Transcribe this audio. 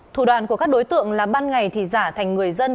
thủ đoàn của các đối tượng là ban ngày thì giả thành người dân